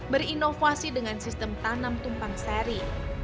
berinovasi dengan sistem tanam tumpang seri